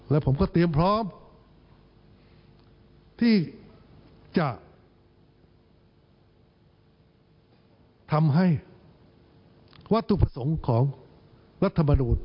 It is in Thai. และผมก็เตรียมพร้อมที่จะทำให้วัตถุประสงค์ของรัฐมนูล